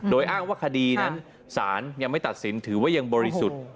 โดยอ้างว่าคดีนั้นศาลยังไม่ตัดสินถือว่ายังบริสุทธิ์